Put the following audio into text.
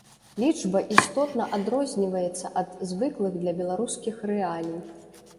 Лічба істотна адрозніваецца ад звыклых для беларускіх рэалій.